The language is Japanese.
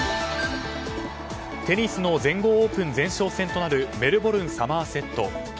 テニスの全豪オープン前哨戦となるメルボルン・サマー・セット。